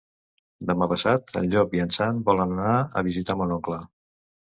Demà passat en Llop i en Sam volen anar a visitar mon oncle.